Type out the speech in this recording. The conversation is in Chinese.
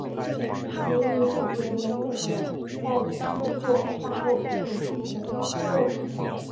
及女主角美美在制作炸肉饼时的过程。